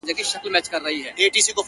اوس په كلي كي چي هر څه دهقانان دي!!